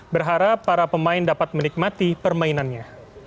berharap para pemain dapat menikmati permainannya